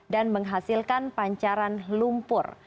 dan menghasilkan pancaran lumpur